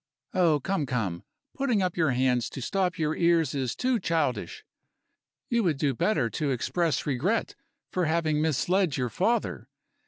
Oh, come! come! putting up your hands to stop your ears is too childish. You would do better to express regret for having misled your father.